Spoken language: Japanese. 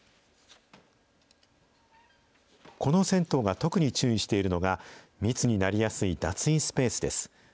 この銭湯が特に注意しているのが、密になりやすい脱衣スペースです。